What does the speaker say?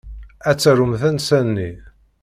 Ad tarum tansa-nni.